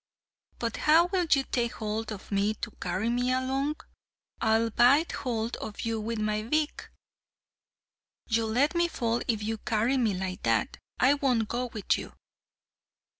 "But how will you take hold of me to carry me along?" "I'll bite hold of you with my beak." "You'll let me fall if you carry me like that. I won't go with you!"